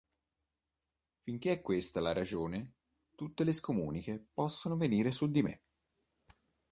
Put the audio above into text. Finché è per questa ragione, tutte le scomuniche possono venire su di me!